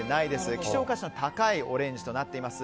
希少価値の高いオレンジとなっています。